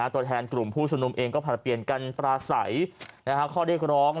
ตัวแทนกลุ่มผู้ชุมนุมเองก็ผลัดเปลี่ยนกันปลาใสข้อเรียกร้อง